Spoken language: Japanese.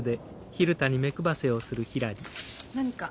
・何か？